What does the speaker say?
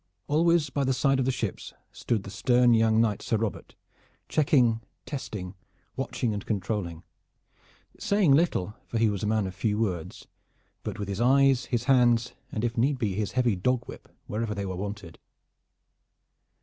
Always by the side of the ships stood the stern young knight Sir Robert, checking, testing, watching and controlling, saying little, for he was a man of few words, but with his eyes, his hands, and if need be his heavy dog whip, wherever they were wanted.